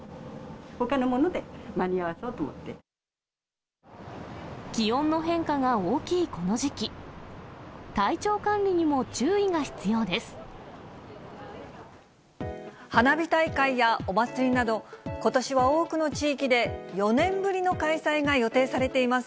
ほかのもので間に合わそうと思っ気温の変化が大きいこの時期、花火大会やお祭りなど、ことしは多くの地域で４年ぶりの開催が予定されています。